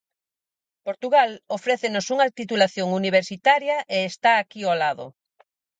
Portugal ofrécenos unha titulación universitaria e está aquí ao lado.